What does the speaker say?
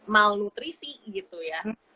malnutrisi gitu ya